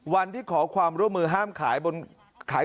วันที่ขอความร่วมมือห้ามขายบนขาย